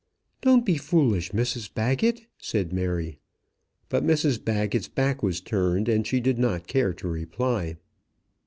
"Don't be foolish, Mrs Baggett," said Mary. But Mrs Baggett's back was turned, and she did not care to reply.